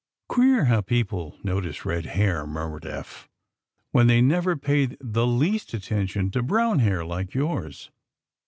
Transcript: ^^ Queer how people notice red hair," mur mured Eph, *^when they never pay the least at tention to brown hair like yours.